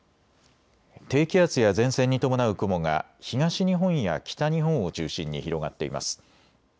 低気圧や前線に伴う雲が東日本や北日本を中心に広がっています。